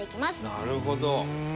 「なるほど」